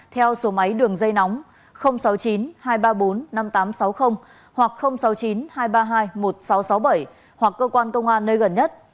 theo số máy đường dây nóng sáu mươi chín hai trăm ba mươi bốn năm nghìn tám trăm sáu mươi hoặc sáu mươi chín hai trăm ba mươi hai một nghìn sáu trăm sáu mươi bảy hoặc cơ quan công an nơi gần nhất